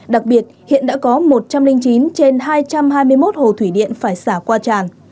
đặc biệt hiện đã có một trăm linh chín trên hai trăm hai mươi một hồ thủy điện phải xả qua tràn